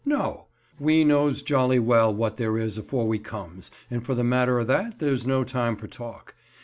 "No, we knows jolly well what there is afore we comes; and, for the matter of that, there's no time for talk.